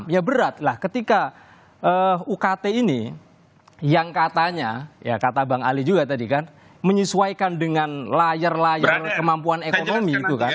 ya berat lah ketika ukt ini yang katanya ya kata bang ali juga tadi kan menyesuaikan dengan layar layar kemampuan ekonomi itu kan